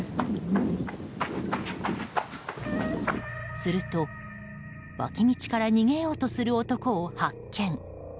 すると脇道から逃げようとする男を発見。